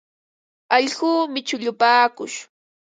Allquumi shullupaakush.